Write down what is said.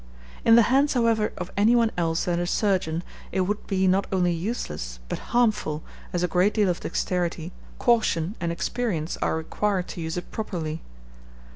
In the hands, however, of any one else than a surgeon, it would be not only useless, but harmful, as a great deal of dexterity, caution, and experience are required to use it properly.